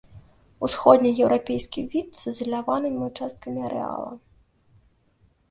Усходне-еўрапейскі від з ізаляванымі ўчасткамі арэала.